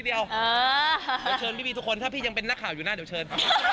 เดี๋ยวเชิญพี่ทุกคนครับพี่งั้นเป็นนักข่าวอยู่หน้าเดี๋ยวเชิญ